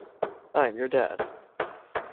I'm your dad.